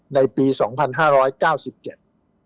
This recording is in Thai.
ในปี๒๕๙๗นะครับ